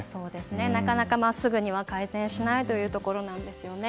なかなかすぐには改善しないというところなんですよね。